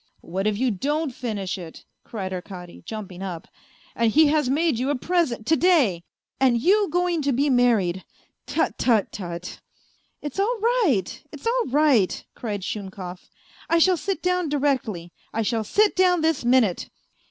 ..."" What if you don't finish it ?" cried Arkady, jumping up, " and he has made you a present to day ! And you going to be married. ... Tut, tut, tut !..."" It's all right, it's all right," cried Shumkov, " I shall sit down directly, I shall sit down this minute."